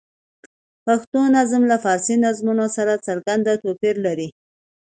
پښتو نظم له فارسي نظمونو سره څرګند توپیر لري.